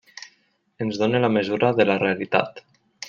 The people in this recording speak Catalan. Ens dóna la mesura de la realitat.